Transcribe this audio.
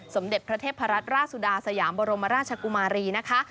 สมเด็จพระเทพรัตนราชสุดาสยามบรมราชกุมารีนะคะ